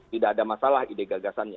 tidak ada masalah ide gagasannya